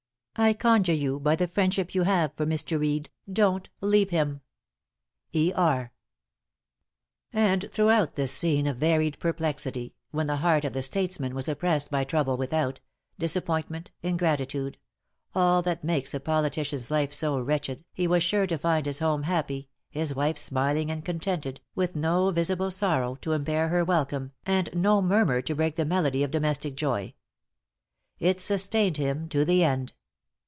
I conjure you by the friendship you have for Mr. Reed, don't leave him. E. R." And throughout this scene of varied perplexity, when the heart of the statesman was oppressed by trouble without disappointment, ingratitude all that makes a politician's life so wretched, he was sure to find his home happy, his wife smiling and contented, with no visible sorrow to impair her welcome, and no murmur to break the melody of domestic joy. It sustained him to the end.